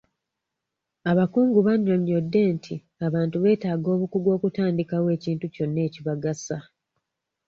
Abakungu banyonyodde nti abantu beetaaga obukugu okutandikawo ekintu kyonna ekibagasa.